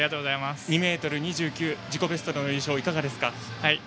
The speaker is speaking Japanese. ２ｍ２９、自己ベストでの優勝いかがですか？